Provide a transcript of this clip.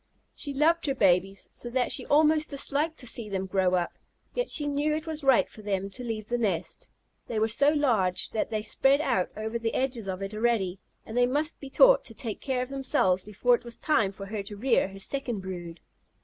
She loved her babies so that she almost disliked to see them grow up, yet she knew it was right for them to leave the nest. They were so large that they spread out over the edges of it already, and they must be taught to take care of themselves before it was time for her to rear her second brood.